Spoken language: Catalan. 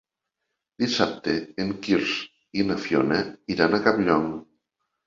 Dissabte en Quirze i na Fiona iran a Campllong.